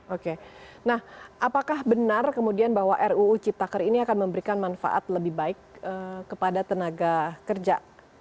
oke nah apakah benar kemudian bahwa ruu ciptaker ini akan memberikan manfaat lebih baik kepada tenaga kerja